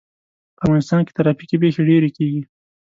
په افغانستان کې ترافیکي پېښې ډېرې کېږي.